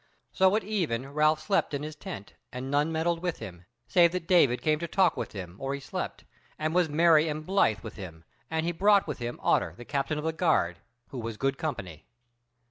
So at even Ralph slept in his tent, and none meddled with him, save that David came to talk with him or he slept, and was merry and blithe with him, and he brought with him Otter, the captain of the guard, who was good company.